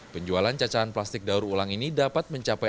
penjualan cacahan plastik daur ulang di gbk ini akan mencapai empat